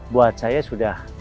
buat saya sudah tidak perlu ya